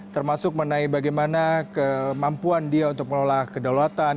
termasuk bagaimana kemampuan dia untuk menolak kedaulatan